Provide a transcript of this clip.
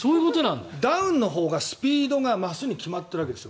ダウンのほうがスピードが増すに決まっているわけですよ。